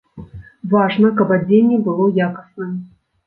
Важна, каб адзенне было якасным.